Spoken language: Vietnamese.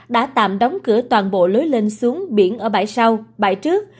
đã tạm đóng cửa toàn bộ lối lên xuống biển ở bãi sau bãi trước